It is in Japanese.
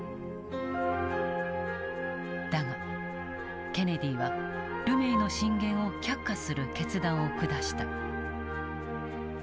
だがケネディはルメイの進言を却下する決断を下した。